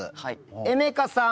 エメカさん。